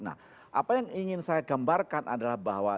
nah apa yang ingin saya gambarkan adalah bahwa